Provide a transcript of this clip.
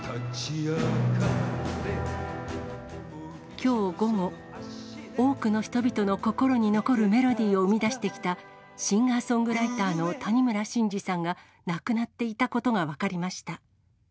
きょう午後、多くの人々の心に残るメロディーを生み出してきたシンガーソングライターの谷村新司さんが、亡くなっていたことが分かりました。